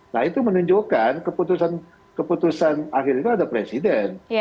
nah itu menunjukkan keputusan akhir itu ada presiden